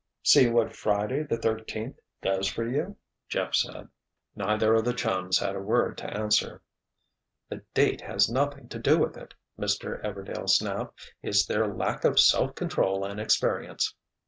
"See what Friday, the thirteenth, does for you?" Jeff said. Neither of the chums had a word to answer. "The date has nothing to do with it," Mr. Everdail snapped. "It's their lack of self control and experience."